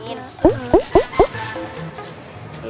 yah dia kabur lagi